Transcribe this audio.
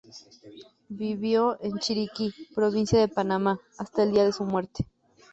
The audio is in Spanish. Vivió en Chiriquí, provincia de panamá, hasta el día de su muerte.